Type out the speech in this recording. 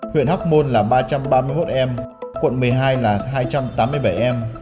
huyện hóc môn là ba trăm ba mươi một em quận một mươi hai là hai trăm tám mươi bảy em